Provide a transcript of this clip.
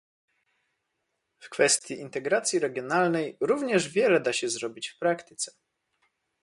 W kwestii integracji regionalnej również wiele da się zrobić w praktyce